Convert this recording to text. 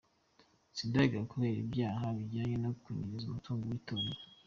Sindayigaya kubera ibyaha bijyanye no kunyereza umutungo w’itorero.